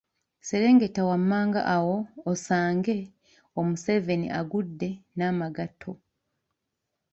Serengeta wammanga awo osange omuseveni agudde n’amagatto